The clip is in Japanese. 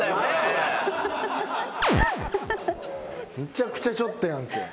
めちゃくちゃちょっとやんけ。